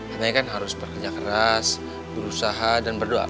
artinya kan harus bekerja keras berusaha dan berdoa